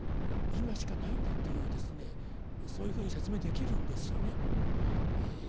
今しかないんだというそういうふうに説明できるんですよね。